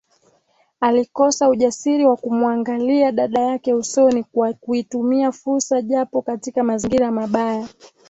Alikosa ujasiri wa kumuangalia dada yake usoni kwa kuitumia fursa japo katika mazingira mabaya